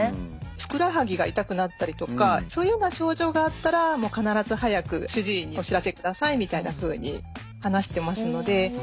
ふくらはぎが痛くなったりとかそういうような症状があったら必ず早く主治医にお知らせくださいみたいなふうに話してますので。